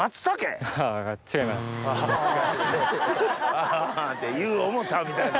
「あぁ」って「言う思うた」みたいな。